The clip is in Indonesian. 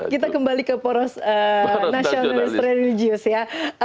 kita kembali ke poros nasionalis religius ya